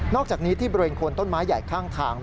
อกจากนี้ที่บริเวณโคนต้นไม้ใหญ่ข้างทาง